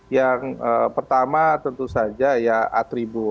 yang pertama tentu saja ya atribut